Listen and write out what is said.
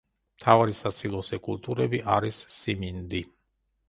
მთავარი სასილოსე კულტურები არის სიმინდი.